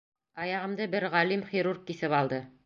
Аяғымды бер ғалим хирург киҫеп алды.